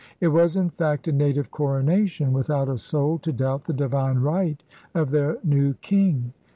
It was, in fact, a native coronation with out a soul to doubt the divine right of their new king.